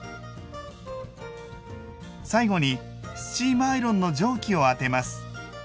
最後にスチームアイロンの蒸気を当てます。